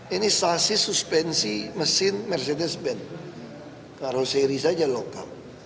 ini sasis suspensi mesin mercedes benz karoseri saja lokal